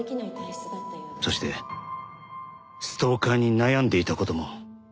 そしてストーカーに悩んでいた事も。